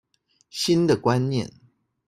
新的觀念